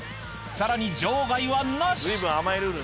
さらに場外はなし。